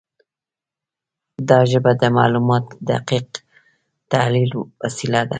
دا ژبه د معلوماتو د دقیق تحلیل وسیله ده.